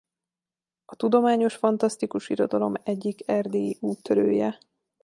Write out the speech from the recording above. A tudományos-fantasztikus irodalom egyik erdélyi úttörője.